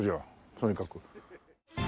とにかく。